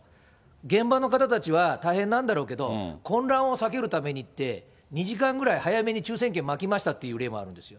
現場の方たちは大変なんだろうけど、混乱を避けるためにって、２時間ぐらい早めに抽せん券まきましたっていう例もあるんですよ。